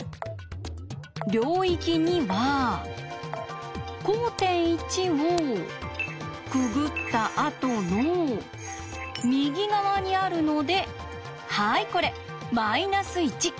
領域２は交点１をくぐった後の右側にあるのではいこれ−１。